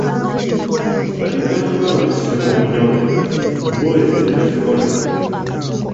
Baliraanwa baffe mu Bunyoro bo ebyo tebabikola.